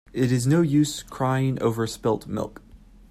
It is no use crying over spilt milk.